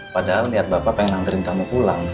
padahal liat bapak pengen langgerin kamu pulang